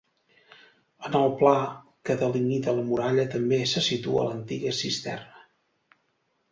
En el pla que delimita la muralla també se situa l'antiga cisterna.